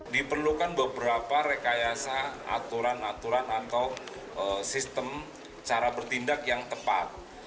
diperlukan beberapa rekayasa aturan aturan atau sistem cara bertindak yang tepat